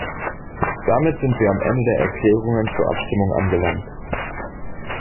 Damit sind wir am Ende der Erklärungen zur Abstimmung angelangt.